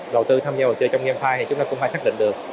đầu tư tham gia vào chơi trong gamefi thì chúng ta cũng phải xác định được